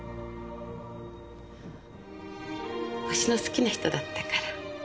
星の好きな人だったから。